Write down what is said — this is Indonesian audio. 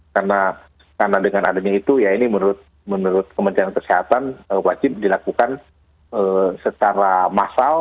karena dengan adanya itu ya ini menurut pemerintahan kesehatan wajib dilakukan secara massal